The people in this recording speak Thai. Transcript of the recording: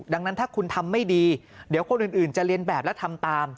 ดังนั้นถ้าคุณทำไม่ดีเดี๋ยวคนอื่นจะเรียนแบบแล้วทำตาม